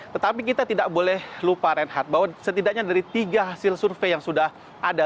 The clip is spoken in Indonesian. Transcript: tetapi kita tidak boleh lupa reinhard bahwa setidaknya dari tiga hasil survei yang sudah ada